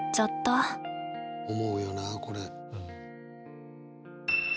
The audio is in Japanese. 思うよなこれ。